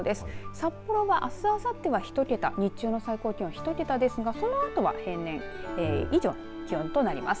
札幌は、あすあさっては１桁日中の最高気温１桁ですがそのあとは平年以上の気温となります。